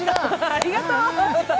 ありがとう。